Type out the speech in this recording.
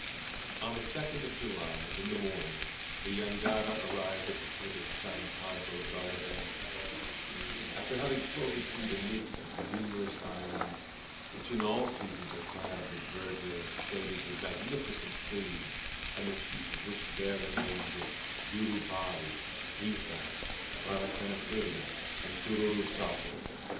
On the 2d of July, in the morning, the jangada arrived at the foot of San Pablo d'Olivença, after having floated through the midst of numerous islands which in all seasons are clad with verdure and shaded with magnificent trees, and the chief of which bear the names of Jurupari, Rita, Maracanatena, and Cururu Sapo.